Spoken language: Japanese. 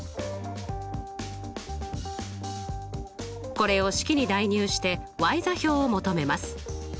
これを式に代入して座標を求めます。